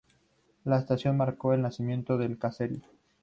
La estación marcó el nacimiento del caserío.